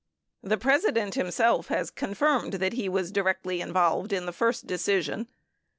23 The President himself has confirmed that he was directly involved in the first decision.